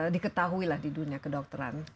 diketahui lah di dunia kedokteran